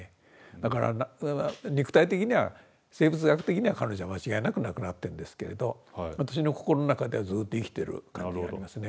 だから肉体的には生物学的には彼女は間違いなく亡くなってるんですけれど私の心の中ではずっと生きてる感じがありますね。